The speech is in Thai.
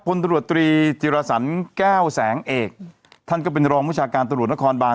พลตรวจตรีจิรสันแก้วแสงเอกท่านก็เป็นรองวิชาการตรวจนครบาน